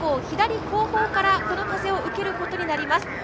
左後方からこの風を受けることになります。